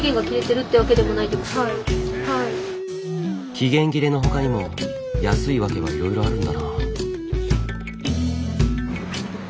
期限切れの他にも安いワケはいろいろあるんだな。